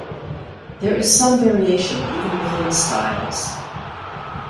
There is some variation even within styles.